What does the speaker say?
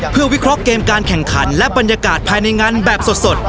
เพื่อวิเคราะห์เกมการแข่งขันและบรรยากาศภายในงานแบบสด